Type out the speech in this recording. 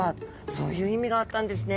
そういう意味があったんですね。